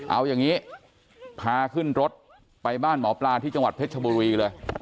เอาอย่างนี้พาขึ้นรถไปบ้านหมอปลาที่จังหวัดเพชรชบุรีเลย